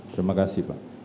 terima kasih pak